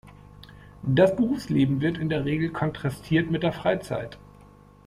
Das Berufsleben wird in der Regel kontrastiert mit der Freizeit.